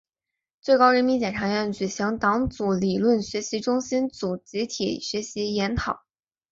最高人民检察院举行党组理论学习中心组集体学习研讨